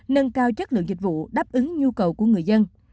nâng cao chất lượng dịch vụ đáp ứng nhu cầu của người dân